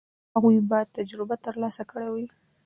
هغوی به تجربه ترلاسه کړې وي.